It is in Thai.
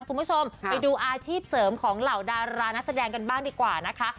คุณผู้ชมไปดูอาชีพเสริมของเหล่าดารานักแสดงกันบ้างดีกว่านะคะ